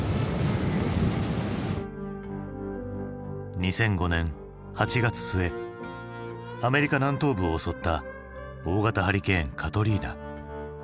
２００５年８月末アメリカ南東部を襲った大型ハリケーン・カトリーナ。